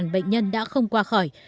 bệnh nhân đã không qua khỏi